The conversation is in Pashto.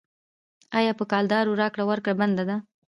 آیا په کلدارو راکړه ورکړه بنده ده؟